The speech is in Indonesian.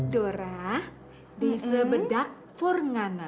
dora dese bedak for ngana